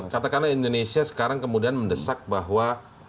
katakanlah indonesia sekarang kemudian mendesak bahwa